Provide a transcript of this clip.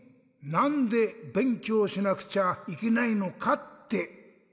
なんでべんきょうしなくちゃいけないのかって。